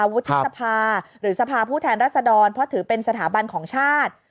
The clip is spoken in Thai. วุฒิสภาหรือสภาผู้แทนรัศดรเพราะถือเป็นสถาบันของชาติ